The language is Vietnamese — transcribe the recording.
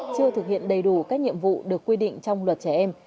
chưa thực hiện đầy đủ các nhiệm vụ được quy định trong luật trẻ em